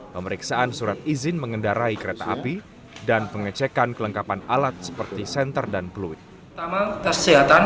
pemeriksaan surat izin menggunakan tes kelayakan dalam mengendarai kereta api